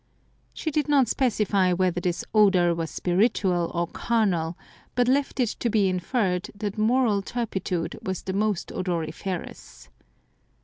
She did not specify whether this odour was spiritual or carnal, but left it to be inferred that moral turpitude was the most odoriferous.